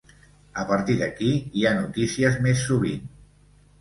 A partir d’aquí hi ha notícies més sovint.